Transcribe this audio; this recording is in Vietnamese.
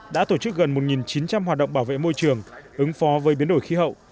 đã tổ chức gần một chín trăm linh hoạt động bảo vệ môi trường ứng phó với biến đổi khí hậu